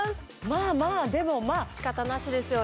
まあまあでもまあ仕方なしですよね